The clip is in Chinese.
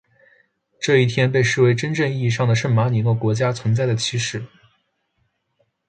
这一天被视为真正意义上的圣马力诺国家存在的起始。